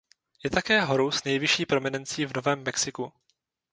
Je také horou s nejvyšší prominencí v Novém Mexiku.